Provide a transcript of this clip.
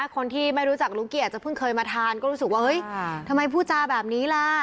คนที่ไม่รู้จักลุ้งกี้อาจจะพึ่งเคยมาทานก็รู้สึกว่าทำไมผู้จ่าแบบนี้แหละ